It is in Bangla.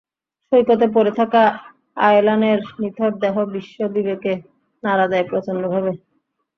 সৈকতে পড়ে থাকা আয়লানের নিথর দেহ বিশ্ব বিবেকে নাড়া দেয় প্রচণ্ডভাবে।